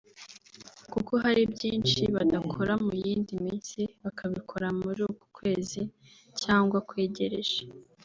kuko hari byinshi badakora mu yindi minsi bakabikora muri uku kwezi cyangwa kwegereje